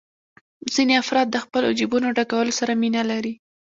ځینې افراد د خپلو جېبونو ډکولو سره مینه لري